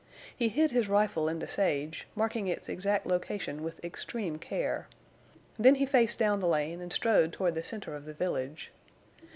He hid his rifle in the sage, marking its exact location with extreme care. Then he faced down the lane and strode toward the center of the village.